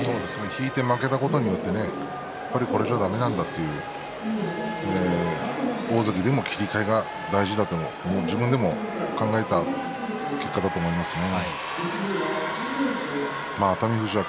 引いて負けたことによってやっぱりこれじゃだめなんだと大関でも切り替えが大事だと自分でも考えた結果だと思いますね。